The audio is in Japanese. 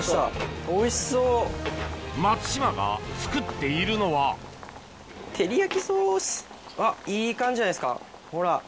松島が作っているのはあっいい感じじゃないですかほら。